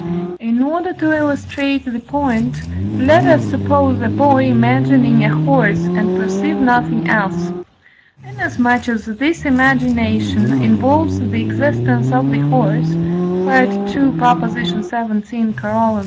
In order to illustrate the point, let us suppose a boy imagining a horse, and perceive nothing else. Inasmuch as this imagination involves the existence of the horse (II. xvii. Coroll.)